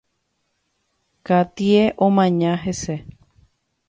Katie omaña hese.